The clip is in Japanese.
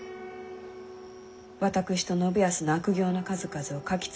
私と信康の悪行の数々を書き連ねるのです。